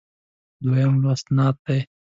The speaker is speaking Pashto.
دویم لوست نعت دی.